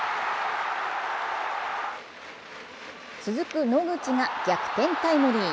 続く野口が逆転タイムリー。